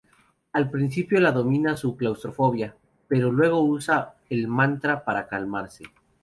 Al principio la domina su claustrofobia, pero luego usa el mantra para calmarse.